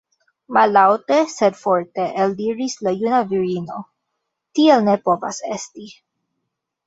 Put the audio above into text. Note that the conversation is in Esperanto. Mallaŭte sed forte eldiris la juna virino: tiel ne povas esti!